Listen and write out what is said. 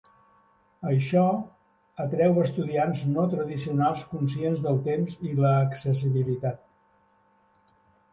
Això atreu estudiants no tradicionals conscients del temps i l'accessibilitat.